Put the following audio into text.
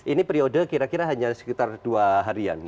ini periode kira kira hanya sekitar dua harian